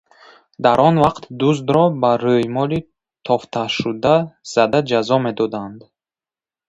Дар он вақт дуздро бо рӯймоли тофташуда зада ҷазо медоданд.